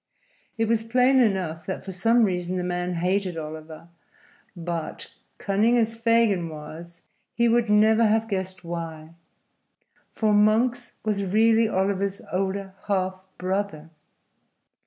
It was plain enough that for some reason the man hated Oliver, but, cunning as Fagin was, he would never have guessed why. For Monks was really Oliver's older half brother!